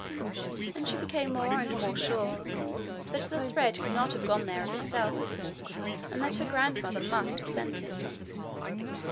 And she became more and more sure that the thread could not have gone there of itself, and that her grandmother must have sent it.